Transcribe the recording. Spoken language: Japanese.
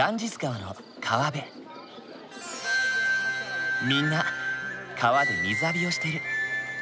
みんな川で水浴びをしてる。